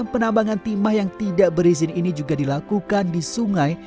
penambangan timah yang tidak berizin ini juga dilakukan di sungai